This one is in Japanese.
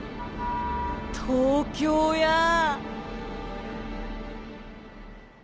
東京やぁ！